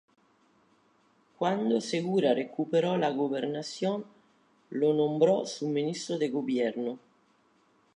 Cuando segura recuperó la gobernación, lo nombró su ministro de gobierno.